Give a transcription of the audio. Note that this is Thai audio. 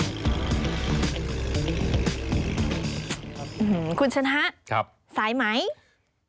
หือคุณชนะสายไหมครับ